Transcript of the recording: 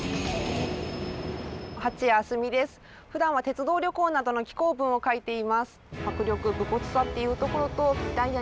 ふだんは鉄道旅行などの紀行文を書いています。